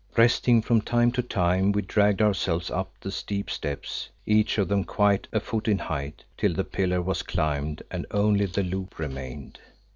Resting from time to time, we dragged ourselves up the steep steps, each of them quite a foot in height, till the pillar was climbed and only the loop remained.